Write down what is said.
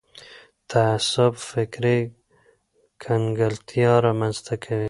تعصب فکري کنګلتیا رامنځته کوي